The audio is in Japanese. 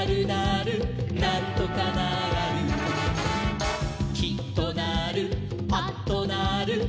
なんとかなーる」